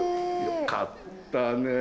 よかったね